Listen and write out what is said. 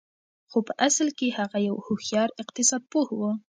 خو په اصل کې هغه يو هوښيار اقتصاد پوه و.